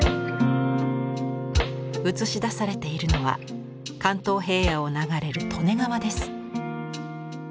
うつし出されているのは関東平野を流れる利根川です。